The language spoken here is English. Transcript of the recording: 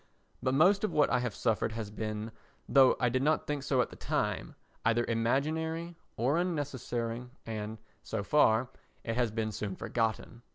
—but most of what I have suffered has been, though I did not think so at the time, either imaginary, or unnecessary and, so far, it has been soon forgotten.